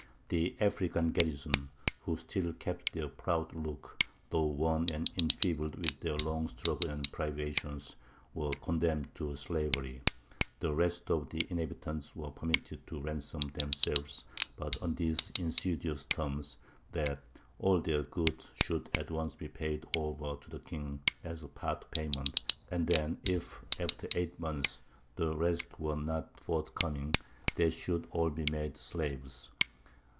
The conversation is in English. The African garrison, who still kept their proud look, though worn and enfeebled with their long struggle and privations, were condemned to slavery; the rest of the inhabitants were permitted to ransom themselves, but on these insidious terms that all their goods should at once be paid over to the king as part payment, and that if after eight months the rest were not forthcoming, they should all be made slaves.